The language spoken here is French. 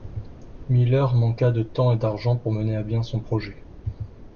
Miller manqua de temps et d'argent pour mener à bien son projet.